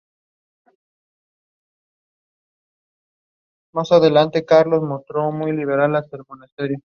Posteriormente estudia violín clásico en Madrid con el violinista Alfredo García Serrano.